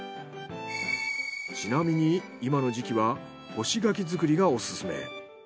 ちなみに今の時期は干し柿作りがオススメ。